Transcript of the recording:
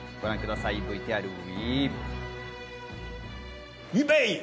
ＶＴＲＷＥ！